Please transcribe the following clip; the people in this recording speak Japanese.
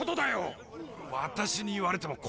私に言われても困るよ。